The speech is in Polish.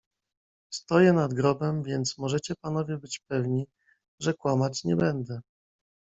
"Stoję nad grobem, więc możecie panowie być pewni, że kłamać nie będę."